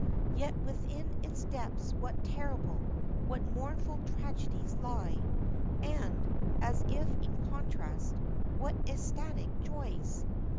Yet within its depths what terrible what mournful tragedies lie! And, as if in contrast, what ecstatic joys!